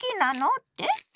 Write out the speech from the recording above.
って？